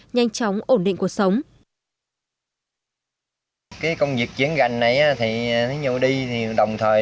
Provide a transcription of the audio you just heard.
nhanh chóng ổn định